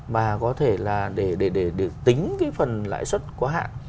và có thể là để tính cái phần lãi xuất của hạng